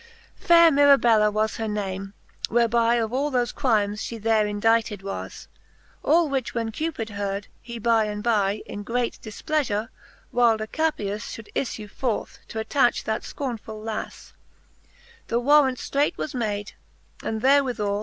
XXXV. Fayre Mirabella was her name, whereby Of all thofe crymes fhe there indited was : All which when Cupid heard, he by and by In great difpleafure will'd, a Capias Should iffije forth, t' attach that fcornefull lafTe. The warrant ftraight was made, and therewithal!